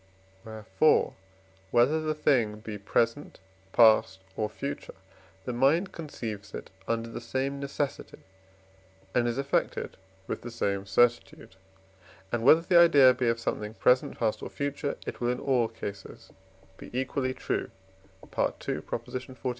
Wherefore, whether the thing be present, past, or future, the mind conceives it under the same necessity and is affected with the same certitude; and whether the idea be of something present, past, or future, it will in all cases be equally true (II. xli.)